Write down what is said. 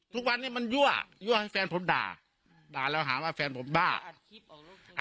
ทุกวันนี้มันยั่วยั่วให้แฟนผมด่าด่าเลยหาว่าแฟนผมบ้าระ